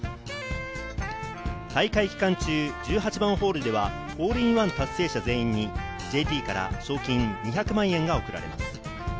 大会期間中、１８番ホールではホールインワン達成者全員にＪＴから賞金２００万円が贈られます。